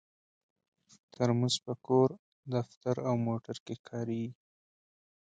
ترموز په کور، دفتر او موټر کې کارېږي.